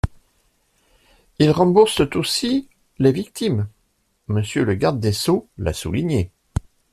Ils remboursent aussi les victimes – Monsieur le garde des sceaux l’a souligné.